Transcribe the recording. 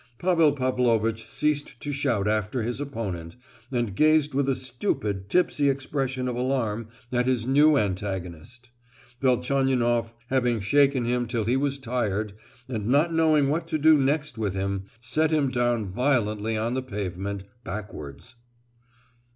Pavel Pavlovitch ceased to shout after his opponent, and gazed with a stupid tipsy expression of alarm at his new antagonist. Velchaninoff, having shaken him till he was tired, and not knowing what to do next with him, set him down violently on the pavement, backwards.